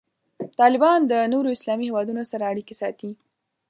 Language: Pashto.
طالبان د نورو اسلامي هیوادونو سره اړیکې ساتي.